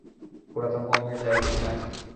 পুরাতন গঙাকে জ্বালিয়ে দিলাম।